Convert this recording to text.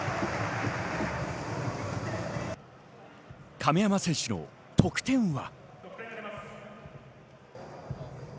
亀山選手の得点は。